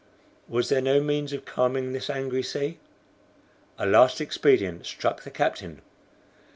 Was there no means of calming this angry sea? A last expedient struck the captain.